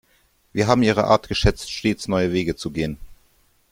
Wir haben ihre Art geschätzt, stets neue Wege zu gehen.